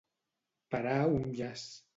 Parar un llaç.